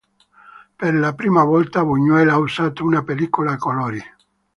Per la prima volta Buñuel ha usato una pellicola a colori.